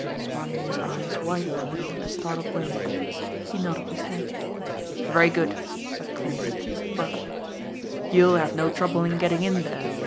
Smarlinghue's eyes widened a little in a startled way. He nodded his head. "Very good," said Clancy gruffly. "You'll have no trouble in getting in there.